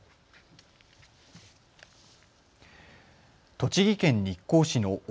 栃木県日光市の奥